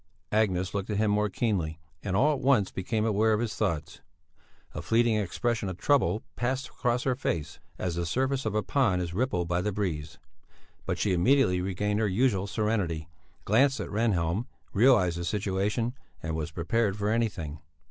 Agnes looked at him more keenly, and all at once became aware of his thoughts. A fleeting expression of trouble passed across her face, as the surface of a pond is rippled by the breeze; but she immediately regained her usual serenity, glanced at Rehnhjelm, realized the situation, and was prepared for anything.